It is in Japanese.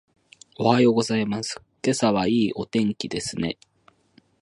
おはようございます。今朝はいいお天気ですね。